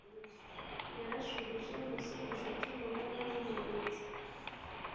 yarashubije mu cyigisho cy umunara w umurinzi